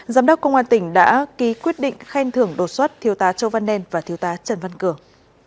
giám đốc công an tỉnh đã ký quyết định khen thưởng đột xuất thiếu tá châu văn nen và thiếu tá trần văn cường